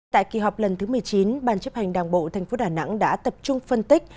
tại kỳ họp lần thứ một mươi chín ban chấp hành đảng bộ tp đà nẵng đã tập trung phân tích